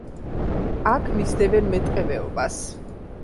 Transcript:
აქ მისდევენ მეტყევეობას.